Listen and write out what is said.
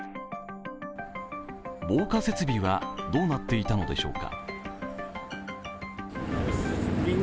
防火設備はどうなっていたのでしょうか。